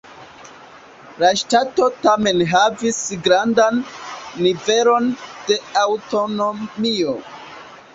La ŝtato tamen havis grandan nivelon de aŭtonomio.